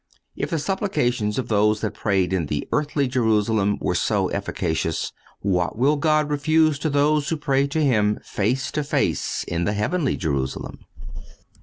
(203) If the supplications of those that prayed in the earthly Jerusalem were so efficacious, what will God refuse to those who pray to Him face to face in the heavenly Jerusalem?